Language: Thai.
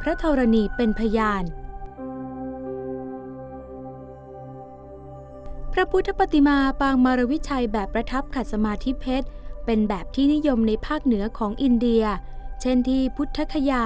พระธรณีเป็นพยานพระพุทธปฏิมาปางมารวิชัยแบบประทับขัดสมาธิเพชรเป็นแบบที่นิยมในภาคเหนือของอินเดียเช่นที่พุทธคยา